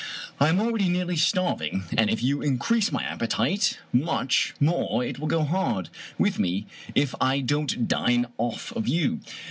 I am already nearly starving, and if you increase my appetite much more it will go hard with me if I don't dine off of you.